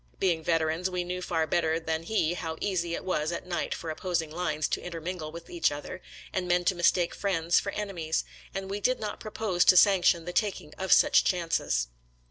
Being veterans, we knew far better than he how easy it was at night for opposing lines to intermingle with each other and men to mistake friends for enemies, and we did not propose to sanction the taking of such chances.